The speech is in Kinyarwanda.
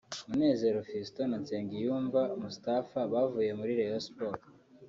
Munezero Filston na Nsengiyumva Mustapfa bavuye muri Rayon Sports